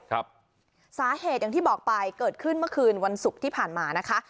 ครับสาเหตุอย่างที่บอกไปเกิดขึ้นเมื่อคืนวันศุกร์ที่ผ่านมานะคะ